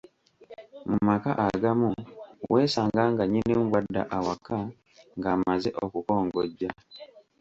Mu maka agamu weesanga nga nnyinimu bwadda awaka ng'amaze okukongojja